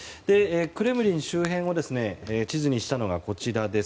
クレムリン周辺を地図にしたのがこちらです。